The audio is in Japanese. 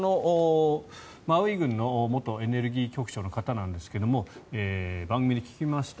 マウイ郡の元エネルギー局長の方なんですが番組で聞きました。